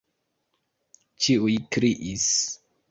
ĉiuj kriis.